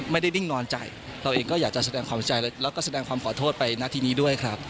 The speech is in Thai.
ไม่ได้ดิ้งนอนใจเราเองก็อยากจะแสดงความเสียใจแล้วก็แสดงความขอโทษไปณทีนี้ด้วยครับ